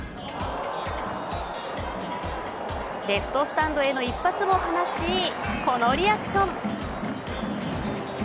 レフトスタンドへの一発を放ちこのリアクション。